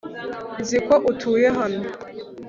nzi ko utuye hano